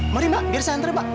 mari mbak biar saya hantar mbak